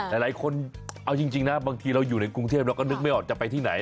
หลายคนเอาจริงนะบางทีเราอยู่ในกรุงเทพเราก็นึกไม่ออกจะไปที่ไหน